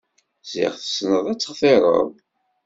Ziɣ tessneḍ ad textireḍ.